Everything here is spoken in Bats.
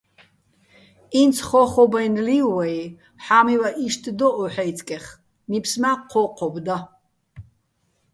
ინც ხო́ხობ-აჲნო̆ ლი́ვ ვაჲ, ჰ̦ა́მივაჸ იშტ დო ო ჰ̦აჲწკეხ, ნიფს მა́ ჴო́ჴობ და.